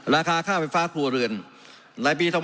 ราคาค่าไฟฟ้าครัวเรือนในปี๒๕๖